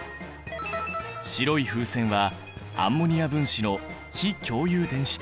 白い風船はアンモニア分子の非共有電子対。